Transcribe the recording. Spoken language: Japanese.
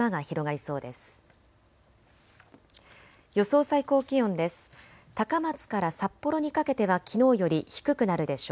予想最高気温です。